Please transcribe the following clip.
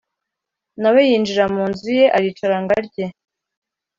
na we yinjira mu nzu ye aricara ngo arye